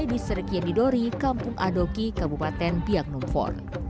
di sergian didori kampung adoki kabupaten biak numfor